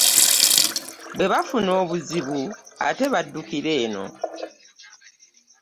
Bwe bafuna obuzibu ate baddukira eno.